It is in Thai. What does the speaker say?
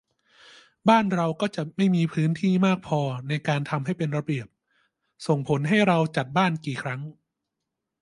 บ้านเราก็จะไม่มีพื้นที่มากพอในการทำให้เป็นระเบียบ ส่งผลให้เราจัดบ้านกี่ครั้ง